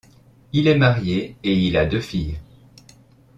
Il est marié et il a deux filles.